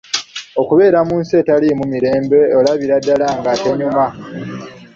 "Okubeera mu nsi etaliimu mirembe, olabira ddala nga tenyuma."